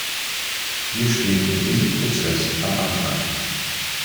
Wir stehen in diesem Prozess am Anfang.